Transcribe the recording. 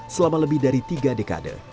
selama lebih dari tiga dekade